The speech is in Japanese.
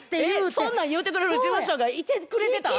そんなん言うてくれる事務所がいてくれてたん？